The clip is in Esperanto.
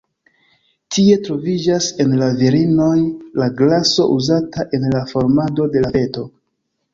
Tie troviĝas, en la virinoj, la graso uzata en la formado de la feto.